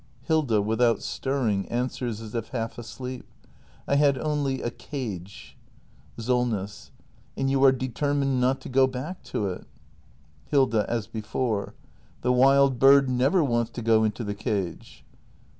Hilda. [Without stirring, answers as if half asleep.] I had only a cage. Solness. And you are determined not to go back to it ? Hilda. [As before.] The wild bird never wants to go into the cage.